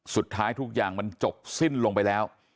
สุดท้ายทุกอย่างมันจบสิ้นลงไปแล้ว